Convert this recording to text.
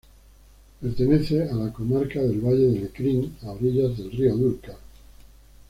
Pertenece a la comarca del Valle de Lecrín, a orillas del río Dúrcal.